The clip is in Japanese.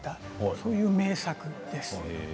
そういう名作です。